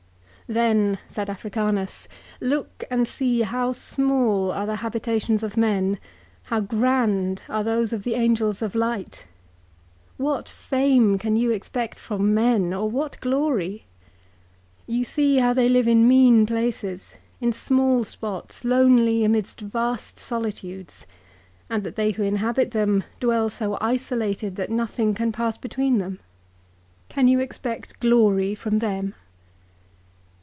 "'Then,' said Africanus, 'look and see how small are the habita tions of men, how grand are those of the angels of light. What fame can you expect from men, or what glory ? You see how they live in mean places, in small spots, lonely amidst vast solitudes ; and that they who inhabit them dwell so isolated that nothing can pass between them. Can you expect glory from them